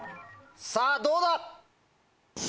さぁどうだ？